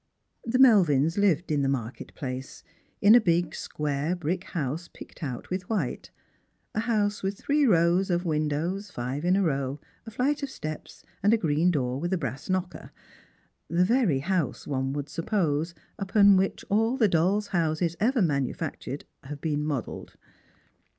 The Melvins lived in the market place, in a big square brick house picked out with white ■— a house with three rows of windows five in a row, a flight of steps, and a green door with a brass knocker; the very house, one would suppose, upon which all the dolls' houses ever manu factured have been modelled.